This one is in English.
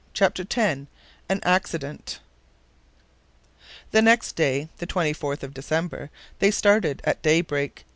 CHAPTER X AN ACCIDENT THE next day, the 24th of December, they started at daybreak.